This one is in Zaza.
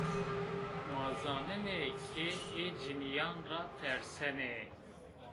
Ma zanenê ke ê cinîyan ra tersenê